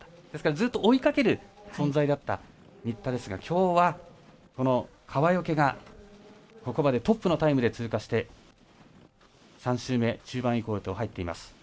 ですから、ずっと追いかける存在だった新田ですがきょうは川除がここまでトップのタイムで通過して３周目、終盤へと入っています。